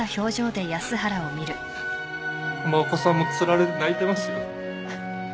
浜岡さんもつられて泣いてますよ。